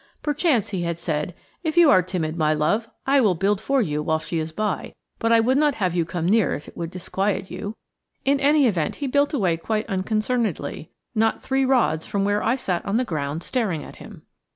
Perchance he had said, "If you are timid, my love, I will build for you while she is by, for I would not have you come near if it would disquiet you." In any event, he built away quite unconcernedly not three rods from where I sat on the ground staring at him.